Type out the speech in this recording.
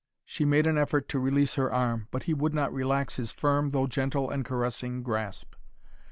She made an effort to release her arm, but he would not relax his firm, though gentle and caressing, grasp.